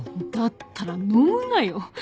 だったら飲むなよ